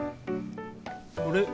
あれ？